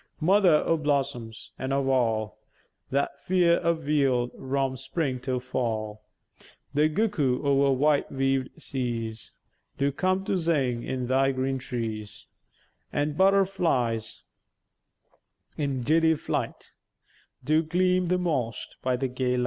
Mother o' blossoms, and ov all That's feäir a vield vrom Spring till Fall, The gookoo over white weäv'd seas Do come to zing in thy green trees, An' buttervlees, in giddy flight, Do gleäm the mwost by thy gäy light.